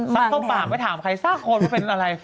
ซักต้องปากไปถามใครสร้างคนว่าเป็นอะไร